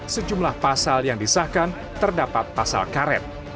sejumlah pasal yang disahkan terdapat pasal karet